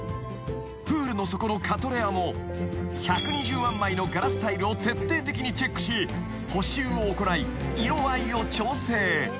［プールの底のカトレアも１２０万枚のガラスタイルを徹底的にチェックし補修を行い色合いを調整］